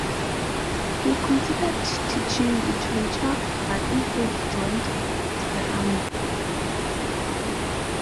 He considered teaching literature but instead joined the Army.